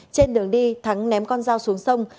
trên đường đi thắng ném con dao xuống sông